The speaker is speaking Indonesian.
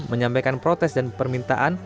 menyampaikan protes dan permintaan